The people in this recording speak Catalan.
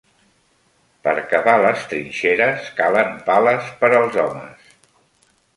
Per cavar les trinxeres, calen pales per als homes.